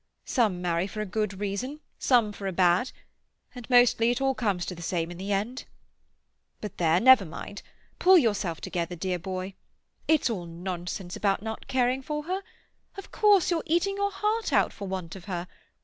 Some marry for a good reason, some for a bad, and mostly it all comes to the same in the end. But there, never mind. Pull yourself together, dear boy. It's all nonsense about not caring for her. Of course you're eating your heart out for want of her.